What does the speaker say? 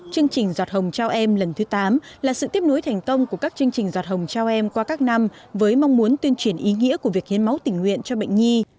chương trình giọt hồng trao em lần thứ tám là sự tiếp nối thành công của các chương trình giọt hồng trao em qua các năm với mong muốn tuyên truyền ý nghĩa của việc hiến máu tình nguyện cho bệnh nhi